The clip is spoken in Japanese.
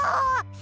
そ！